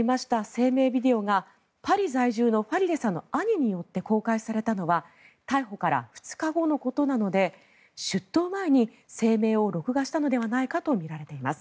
声明ビデオがパリ在住のファリデさんの兄によって公開されたのは逮捕から２日後のことなので出頭前に声明を録画したのではないかとみられています。